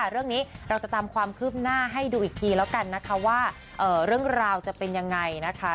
เรื่องนี้เราจะตามความคืบหน้าให้ดูอีกทีแล้วกันนะคะว่าเรื่องราวจะเป็นยังไงนะคะ